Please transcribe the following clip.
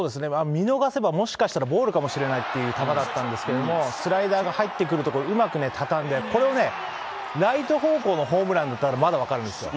見逃せば、もしかしたらボールかもしれないっていう球だったんですけども、スライダーが入ってくるところ、うまくね、たたんで、これをね、ライト方向のホームランだったらまだ分かるんですよ。